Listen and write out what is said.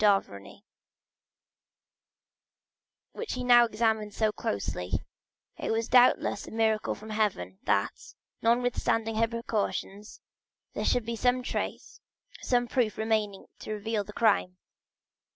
d'Avrigny, which he now examined so closely; it was doubtless a miracle from heaven, that, notwithstanding her precautions, there should be some trace, some proof remaining to reveal the crime.